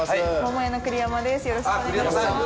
よろしくお願いします。